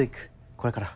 これから。